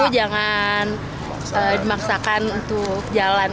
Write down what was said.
jangan dimaksakan untuk jalan